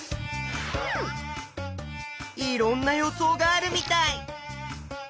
いろんな予想があるみたい。